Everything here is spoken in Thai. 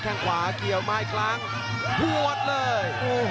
แข่งขวาเกลียวไมค์ครั้งพวดเลย